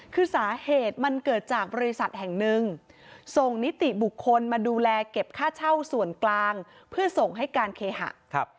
คือสาเหตุมันเกิดจากบริษัทแห่งหนึ่งส่งนิติบุคคลมาดูแลเก็บค่าเช่าส่วนกลางเพื่อส่งให้การเคหะ